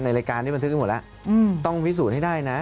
รายการนี้บันทึกหมดแล้วต้องพิสูจน์ให้ได้นะ